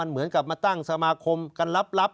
เหมือนกับมาตั้งสมาคมกันลับ